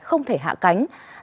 không thể hạ cánh